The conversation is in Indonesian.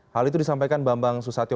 hal itu disampaikan bambang susatyo